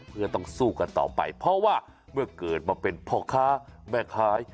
เพื่อต้องสู้กันต่อไปเพราะว่าเมื่อเกิดมาเป็นพ่อค้าแม่ค้า